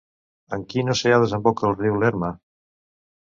En quin oceà desemboca el riu Lerma?